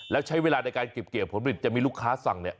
แล้วใช้เวลาในการเก็บเกี่ยวผลผลิตจะมีลูกค้าสั่งเนี่ย